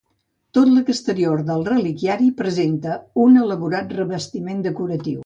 Tot l'exterior del reliquiari presenta un elaborat revestiment decoratiu.